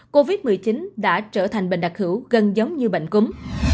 covid một mươi chín đã trở thành bệnh đặc hữu gần giống như bệnh cúm